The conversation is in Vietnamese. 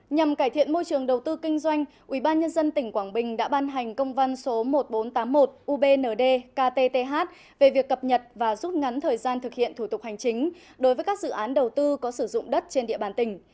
nhằm cải thiện môi trường đầu tư kinh doanh ubnd tỉnh quảng bình đã ban hành công văn số một nghìn bốn trăm tám mươi một ubnd ktth về việc cập nhật và rút ngắn thời gian thực hiện thủ tục hành chính đối với các dự án đầu tư có sử dụng đất trên địa bàn tỉnh